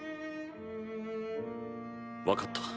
分かった。